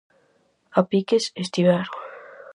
A piques estiveron.